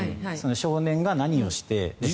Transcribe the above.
少年が何をして。